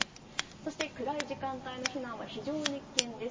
そして、暗い時間帯の避難は非常に危険です。